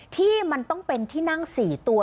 ที่มันต้องเป็นที่นั่ง๔ตัว